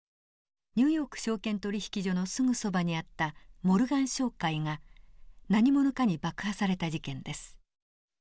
ニューヨーク証券取引所のすぐそばにあったモルガン商会が何者かに爆破された事件です。